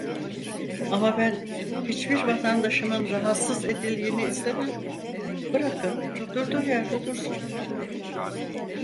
Ama ben hiçbir vatandaşımın rahatsız edildiğini istemem, bırakın durduğu yerde dursun.